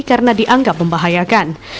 karena dianggap membahayakan